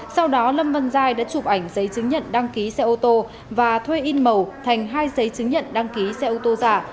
sau đó lâm văn giai đã chụp ảnh giấy chứng nhận đăng ký xe ô tô và thuê in màu thành hai giấy chứng nhận đăng ký xe ô tô giả